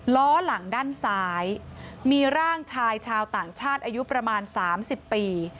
ล้อหลังด้านซ้ายมีร่างชายชาวต่างชาติอายุประมาณ๓๐ปี